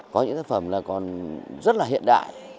có những tác phẩm là còn rất là hiện đại